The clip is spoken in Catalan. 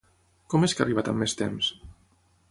Com és que ha arribat amb més temps?